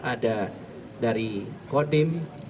ada dari kodim